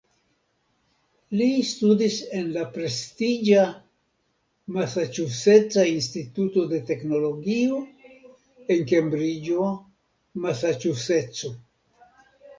Li studis en la prestiĝa "Masaĉuseca Instituto de Teknologio" en Kembriĝo, Masaĉuseco.